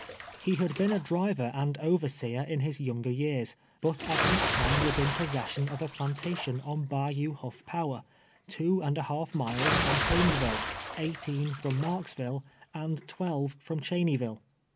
He had been a driver and overseer in his younger years, but at this time w^as in possession of a planta tion on Bayou Huff Power, two and a half miles from Holmesville, eighteen from Marksville, and twelve from Cheney ville.